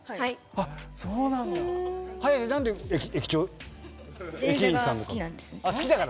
あっそうなんだ。